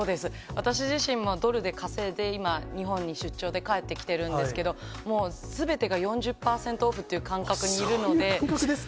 私自身もドルで稼いで今、日本に出張で帰ってきてるんですけど、すべてが４０％オフという感覚にいるので。